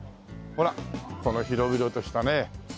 ほらこの広々としたね。